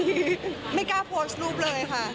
ทีนี้ไม่กล้าโพสต์ลูกเลยฮะ